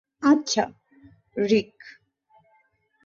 আচ্ছা, রিক।